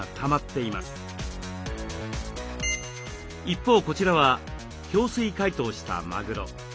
一方こちらは氷水解凍したマグロ。